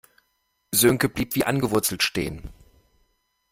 Sönke blieb wie angewurzelt stehen.